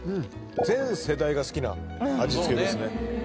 全世代が好きな味付けですね